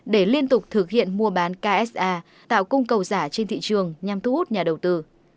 để liên tục thực hiện mua bán ksa tạo cung cầu giả trên thị trường nhằm thu hút nhà đầu tư